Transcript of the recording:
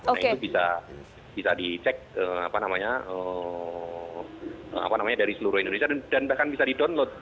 nah itu bisa dicek dari seluruh indonesia dan bahkan bisa di download